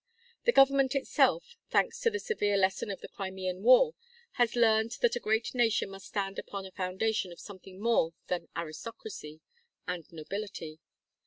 The government itself, thanks to the severe lesson of the Crimean war, has learned that a great nation must stand upon a foundation of something more than aristocracy and nobility.